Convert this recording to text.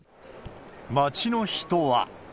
街の人は。